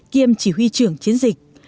kiêm chỉ huy trưởng chiến dịch